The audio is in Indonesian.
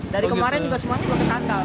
dari kemarin juga semuanya pakai sandal